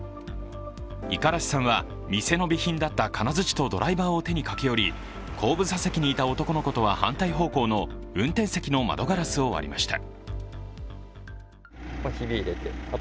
五十嵐さんは店の備品だった金づちとドライバーを手に駆け寄り後部座席にいた男の子とは反対方向の運転席の窓ガラスを割りました。